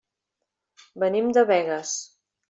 Venim de Begues.